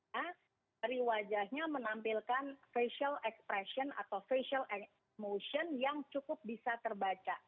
dari wajahnya menampilkan facial expression atau facial motion yang cukup bisa terbaca